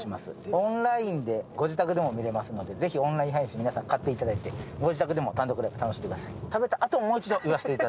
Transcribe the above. オンラインで御自宅でも見れますので、ぜひオンライン配信をぜひ買っていただいてご自宅でもお楽しみください。